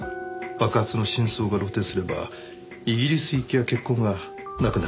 爆発の真相が露呈すればイギリス行きや結婚がなくなるからでしょう。